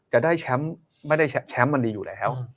จะได้แชมป์ไม่ได้แชมป์มันดีอยู่แล้ว